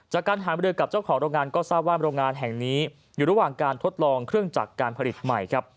จากการหามรือกับเจ้าของโรงงานก็ทราบว่าโรงงานแห่งนี้อยู่ระหว่างการทดลองเครื่องจักรการผลิตใหม่ครับ